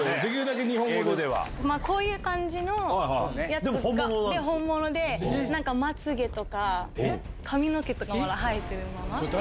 こういう感じのやつで本物でまつげとか髪の毛とかも生えてるまま。